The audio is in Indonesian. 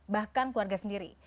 bahkan keluarga sendiri